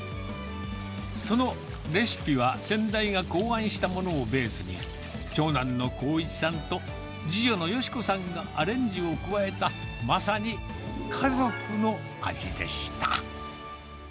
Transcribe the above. そのレシピは先代が考案したものをベースに、長男の耕一さんと次女の佳子さんがアレンジを加えた、まさに家族の味でした。